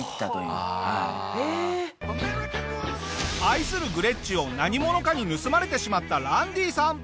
愛するグレッチを何者かに盗まれてしまったランディさん。